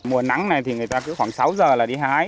mùa nắng này thì người ta cứ khoảng sáu giờ là đi hái